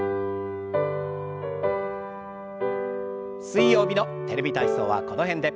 水曜日の「テレビ体操」はこの辺で。